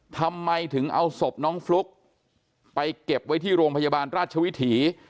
ทำไมถึงเอาศพน้องฟลุ๊กไปเก็บไว้ที่โรงพยาบาลราชวิถี